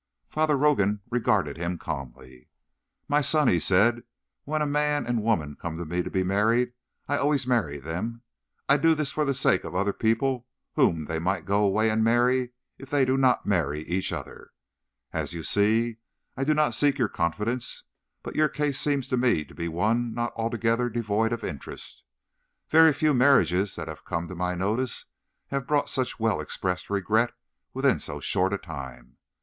Father Rogan regarded him calmly. "My son," he said, "when a man and woman come to me to be married I always marry them. I do this for the sake of other people whom they might go away and marry if they did not marry each other. As you see, I do not seek your confidence; but your case seems to me to be one not altogether devoid of interest. Very few marriages that have come to my notice have brought such well expressed regret within so short a time.